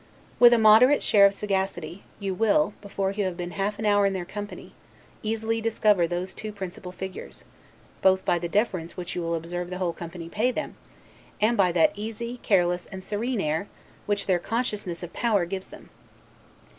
With a moderate share of sagacity, you will, before you have been half an hour in their company, easily discover those two principal figures: both by the deference which you will observe the whole company pay them, and by that easy, careless, and serene air, which their consciousness of power gives them.